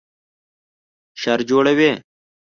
شر جوړوي